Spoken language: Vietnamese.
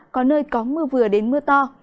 có nơi có mưa vừa đến mưa to